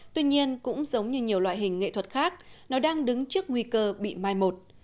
tuy nhiên cũng giống như nhiều loại hình nghệ thuật khác nó đang đứng trước nguy cơ bị mai một